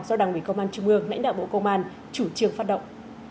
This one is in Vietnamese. do đảng ủy công an trung ương lãnh đạo bộ công an chủ trương phát động